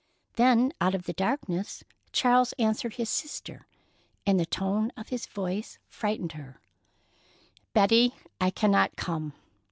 Then, out of the darkness, Charles answered his sister, and the tone of his voice frightened her: "Betty, I cannot come.